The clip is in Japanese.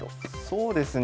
そうですね